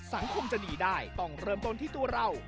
สังคมจะดีได้ต้องเริ่มต้นที่ตัวเรา